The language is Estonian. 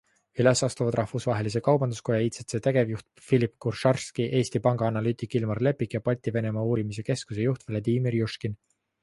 Üles astuvad Rahvusvahelise Kaubanduskoja ICC tegevjuht Philip Kucharski, Eesti Panga analüütik Ilmar Lepik ja Balti Venemaa Uurimise Keskuse juht Vladimir Jushkin.